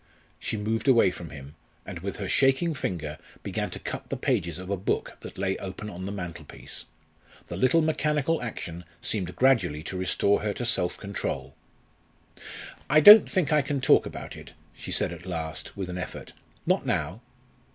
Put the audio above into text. She moved away from him, and with her shaking finger began to cut the pages of a book that lay open on the mantelpiece. The little mechanical action seemed gradually to restore her to self control. "I don't think I can talk about it," she said at last, with an effort; "not now."